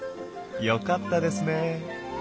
よかったですね。